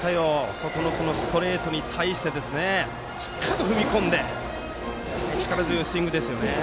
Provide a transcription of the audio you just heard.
外のストレートに対してしっかりと踏み込んで力強いスイングですよね。